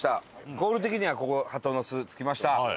ゴール的にはここ鳩の巣着きました。